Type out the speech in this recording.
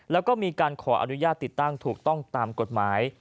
แล้วก็มีการขออนุญาตติดตั้งถูกต้องตามกฎหมาย